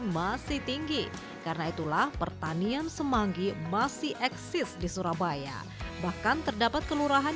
masih tinggi karena itulah pertanian semanggi masih eksis di surabaya bahkan terdapat kelurahan